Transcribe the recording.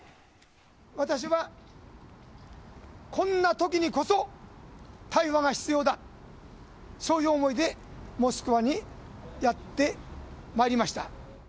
私はこんなときにこそ、対話が必要だ、そういう思いでモスクワにやってまいりました。